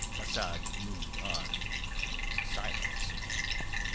Asad moved on in silence.